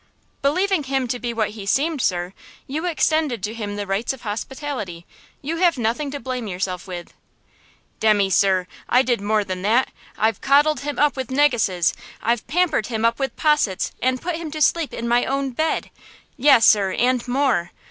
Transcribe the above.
"Believing him to be what he seemed, sir, you extended to him the rights of hospitality; you have nothing to blame yourself with!" "Demmy, sir, I did more than that! I've coddled him up with negusses! I've pampered him up with possets and put him to sleep in my own bed! Yes, sir–and more!